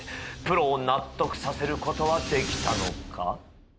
プロを納得させる事はできたのか？